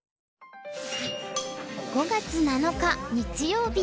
５月７日日曜日。